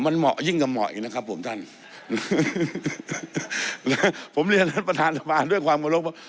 มันเหมาะยิ่งกับเหมาะอีกนะครับผมท่านผมเรียนรัฐประธานภาคด้วยความกระลบว่า